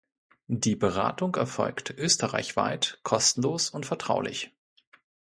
Die Beratung erfolgt österreichweit, kostenlos und vertraulich.